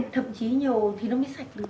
thậm chí nhiều thì nó mới sạch được